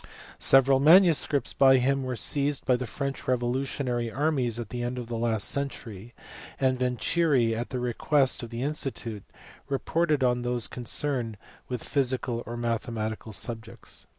Several manuscripts by him were seized by the French revolutionary armies at the end of the last century, and "Venturi, at the request of the Institute, reported on those concerned with physical or mathematical subjects*.